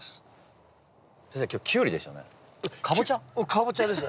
カボチャです。